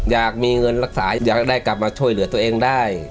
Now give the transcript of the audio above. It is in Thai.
อยากมีเงินรักษาอยากได้กลับมาช่วยเหลือตัวเองได้